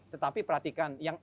tetapi perhatikan yang